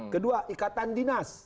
kedua ikatan dinas